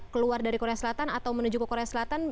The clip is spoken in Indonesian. keluar dari korea selatan atau menuju ke korea selatan